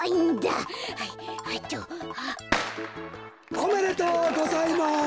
おめでとうございます！